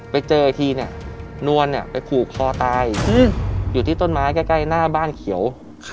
ไปเจออีกทีเนี่ยนวลไปผูกคอตายอยู่ที่ต้นไม้ใกล้หน้าบ้านเขียว